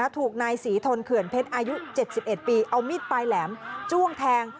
ถูกนายศรีทนเขื่อนเพชรอายุ๗๑ปีเอามีดปลายแหลมจ้วงแทง